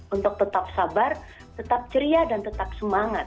untuk tetap sabar tetap ceria dan tetap semangat